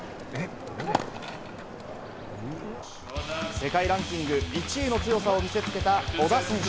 世界ランキング１位の強さを見せつけた小田選手。